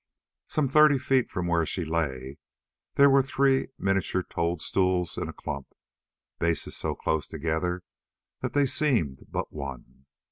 Some thirty feet from where she lay, there were three miniature toadstools in a clump, bases so close together that they seemed but one.